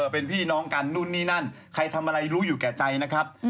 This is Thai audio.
เป็นพี่น้องกันนู่นนี่นั่นใครทำอะไรรู้อยู่แก่ใจนะครับ